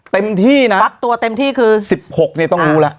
เต็มที่นะฟักตัวเต็มที่คือ๑๖เนี่ยต้องรู้แล้ว